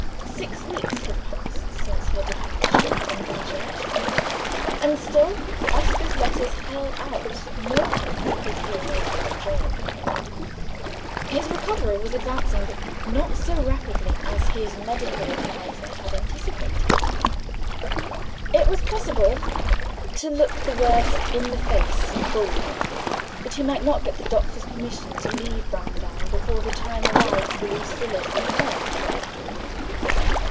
Six weeks had passed since her departure from Dimchurch; and still Oscar's letters held out no hope of his being able to join her in London. His recovery was advancing, but not so rapidly as his medical adviser had anticipated. It was possible to look the worst in the face boldly that he might not get the doctor's permission to leave Browndown before the time arrived for Lucilla's return to the rectory.